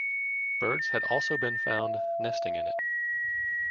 Birds had also been found nesting in it.